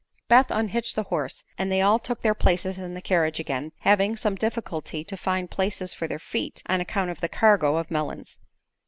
Beth unhitched the horse and they all took their places in the carriage again, having some difficulty to find places for their feet on account of the cargo of melons.